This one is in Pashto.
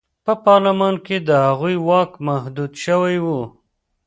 په پارلمان کې د هغوی واک محدود شوی و.